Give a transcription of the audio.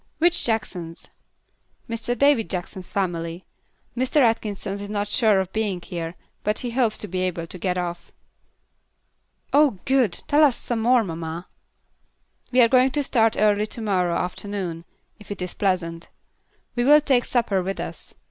"Which Jacksons?" "Mr. David Jackson's family. Mr. Atkinson is not sure of being here, but he hopes to be able to get off." "Oh, good! Tell us some more, mamma." "We are going to start early to morrow afternoon, if it is pleasant. We will take supper with us.